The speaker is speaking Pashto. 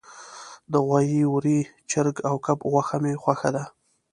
د غوایی، وری، چرګ او کب غوښه می خوښه ده